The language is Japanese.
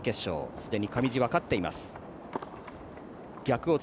すでに上地は勝っています。